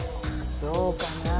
どうかな。